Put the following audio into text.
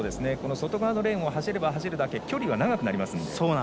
外側のレーンを走れば走るだけ距離は長くなりますので。